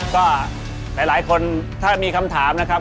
ก็หลายคนถ้ามีคำถามนะครับ